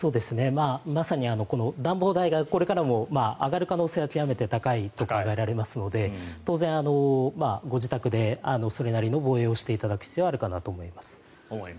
まさにこの暖房代がこれからも上がる可能性は極めて高いと考えられますので当然、ご自宅でそれなりの防衛をしていただく必要はあるかなと思います。